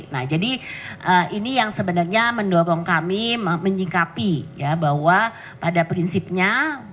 nah jadi ini yang sebenarnya mendorong kami menyingkapi ya bahwa pada prinsipnya